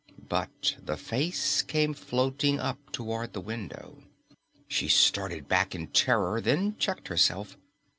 But the face came floating up toward the window. She started back in terror, then checked herself.